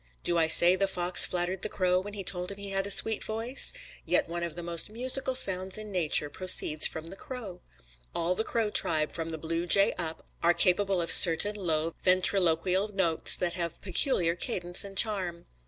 Do I say the fox flattered the crow when he told him he had a sweet voice? Yet one of the most musical sounds in nature proceeds from the crow. All the crow tribe, from the blue jay up, are capable of certain low ventriloquial notes that have peculiar cadence and charm.